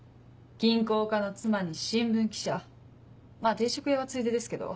銀行家の妻に新聞記者まぁ定食屋はついでですけど。